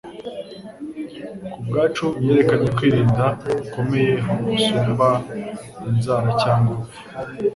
Ku bwacu yerekanye kwirinda gukomeye gusumba inzara cyangwa urupfu.